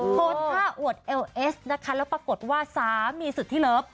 โพสต์ท่าอวดเอลเอสนะคะแล้วปรากฏว่าสามีสุดที่เลิฟ